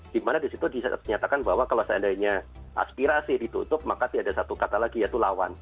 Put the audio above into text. di mana di situ disenyatakan bahwa kalau seandainya aspirasi ditutup maka tidak ada satu kata lagi yaitu lawan